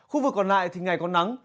khu vực còn lại thì ngày còn nắng